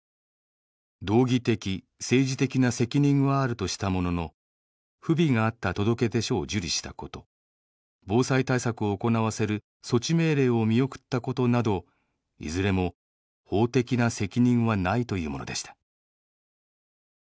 道義的・政治的な責任はあるとしたものの不備があった届け出書を受理したこと防災対策を行わせる措置命令を見送ったことなどいずれも法的な責任はないというものでした。